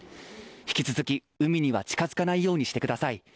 引き続き、海には近づかないようにしてください。